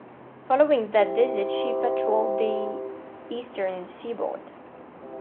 Following that visit, she patrolled the eastern seaboard.